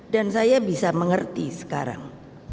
dan saya bisa mengerti sekarang